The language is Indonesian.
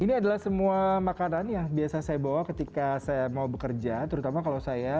ini adalah semua makanan yang biasa saya bawa ketika saya mau bekerja terutama kalau saya